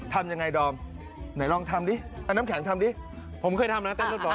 ทำยังไงดอมไหนลองทำดิน้ำแข็งทำดิผมเคยทำนะเต้นรถเหรอ